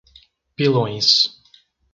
Pilões